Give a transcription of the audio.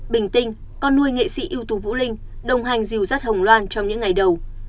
bình tinh con nuôi nghệ sĩ ưu tú vũ linh đồng hành dìu dắt hồng loan trong những ngày đầu